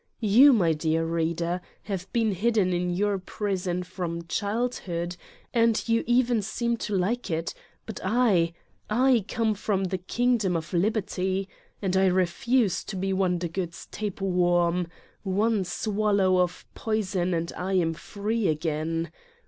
You, my dear reader, have been hidden in your prison from childhood and you even seem to like it, but I I come from the kingdom of liberty. And I refuse to be Wondergood r s tape worm: one swallow of poison and I am free again.